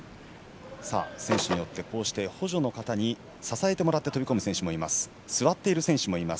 選手によって補助の方に支えてもらって飛び込む選手もいます。